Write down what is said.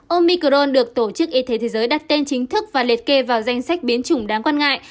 omicron được tổ chức y tế thế giới đặt tên chính thức và liệt kê vào danh sách biến chủng đáng quan ngại